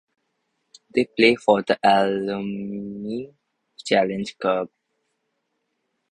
They play for the Alumni Challenge Cup.